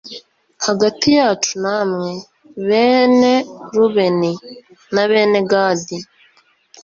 hagati yacu namwe, bene rubeni, na bene gadi